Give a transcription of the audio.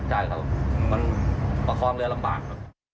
ใช่ครับมันประคองเรือลำบากครับ